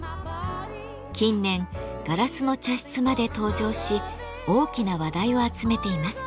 近年ガラスの茶室まで登場し大きな話題を集めています。